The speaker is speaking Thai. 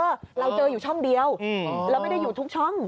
เราเจออยู่ช่องเดียวเราไม่ได้อยู่ทุกช่อง